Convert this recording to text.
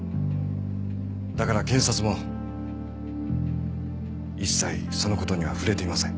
だから検察も一切その事には触れていません。